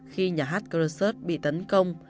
khi nhà hát crosso city bị tấn công